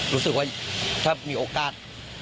รู้สึกว่าถ้ามีโอกาส